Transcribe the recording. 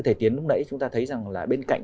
thể tiến lúc nãy chúng ta thấy rằng là bên cạnh